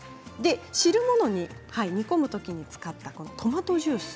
汁物に煮込むときに使ったトマトジュース。